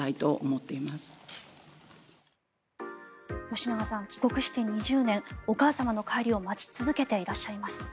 吉永さん、帰国して２０年お母様の帰りを待ち続けていらっしゃいます。